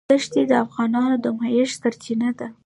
دښتې د افغانانو د معیشت سرچینه ده.